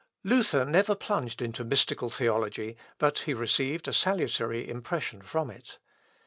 Luther never plunged into mystical theology, but he received a salutary impression from it.